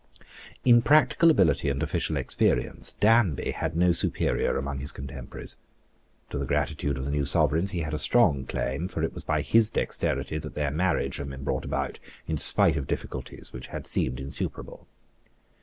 In practical ability and official experience Danby had no superior among his contemporaries. To the gratitude of the new Sovereigns he had a strong claim; for it was by his dexterity that their marriage had been brought about in spite of difficulties which had seemed insuperable.